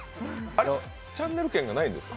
あれっ、チャンネル権がないんですか？